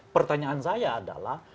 pertanyaan saya adalah